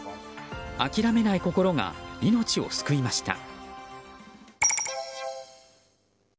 諦めない心が命を救いました。